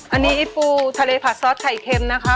อันนี้ไอ้ปูถ้าเลผัสซอสไทยเข็มนะคะ